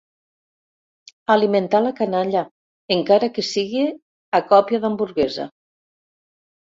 Alimentar la canalla, encara que sigui a còpia d'hamburguesa.